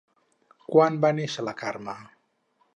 Quan va néixer la Carme?